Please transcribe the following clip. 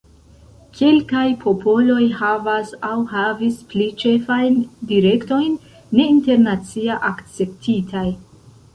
Kelkaj popoloj havas aŭ havis pli ĉefajn direktojn ne internacia akceptitaj.